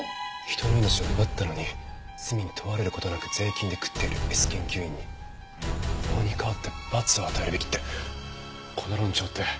「人の命を奪ったのに罪に問われることなく税金で食っているＳ研究員に法に代わって罰を与えるべき」ってこの論調って。